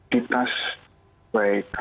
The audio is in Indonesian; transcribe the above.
di tas baik